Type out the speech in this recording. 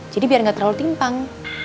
jadi biar gak terlalu timpang